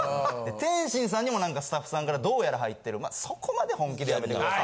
天心さんにも何かスタッフさんからどうやら入ってるまあそこまで本気でやめて下さい。